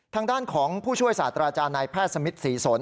ทางด้านของผู้ช่วยศาสตราจารย์นายแพทย์สมิทศรีสน